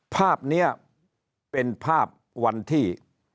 ภาพนี้เป็นภาพวันที่